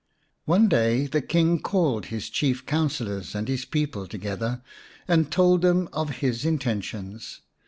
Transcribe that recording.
One day the King called his Chief Councillors and his people together and told them of his intentions.